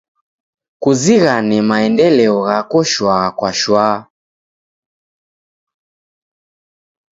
Kuzighane maendeleo ghako shwaa kwa shwaa.